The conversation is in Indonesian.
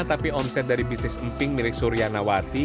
tapi omset dari bisnis emping milik surya nawati